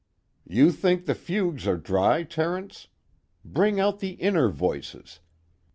"You think the Fugues are dry, Terence? Bring out the inner voices....